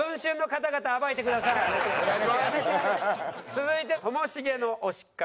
続いてともしげの推しから。